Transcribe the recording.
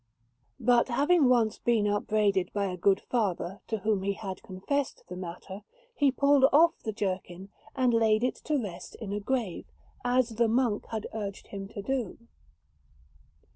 But having once been upbraided by a good Father to whom he had confessed the matter, he pulled off the jerkin and laid it to rest in a grave, as the monk had urged him to do.